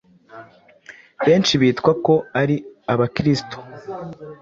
benshi bitwa ko ari Abakristo